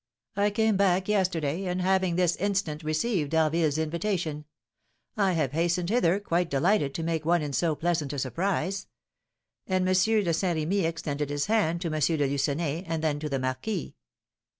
"I came back yesterday; and, having this instant received D'Harville's invitation, I have hastened hither, quite delighted to make one in so pleasant a surprise." And M. de Saint Remy extended his hand to M. de Lucenay, and then to the marquis.